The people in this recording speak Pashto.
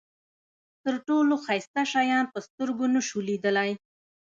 تر ټولو ښایسته شیان په سترګو نشو لیدلای.